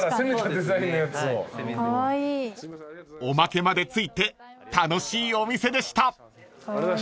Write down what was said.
［おまけまで付いて楽しいお店でした］